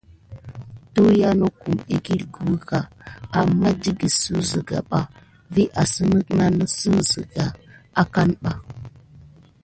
Tuyiya nokum ekikucka aman tikisuk siga ɓa vi asine nesine wune akane ɓa.